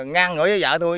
ngang ngửi với vợ thôi